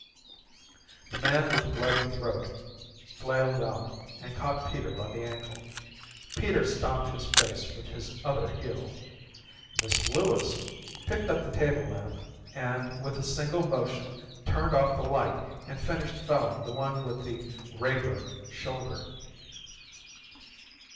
The man with the bloody throat flailed out and caught Peter by the ankle. Peter stomped his face with his other heel. Miss Lewis picked up the table lamp and with a single motion turned off the light and finished felling the one with the ray burned shoulder.